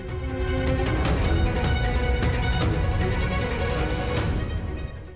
โปรดติดตามตอนต่อไป